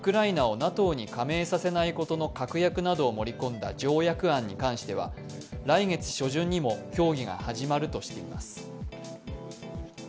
ＮＡＴＯに加盟させないことの確約などを盛り込んだ条約案に関しては来月初旬にも協議が始まるとしています。